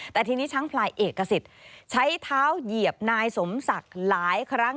แต่ทีนี้ช้างพลายเอกสิทธิ์ใช้เท้าเหยียบนายสมศักดิ์หลายครั้ง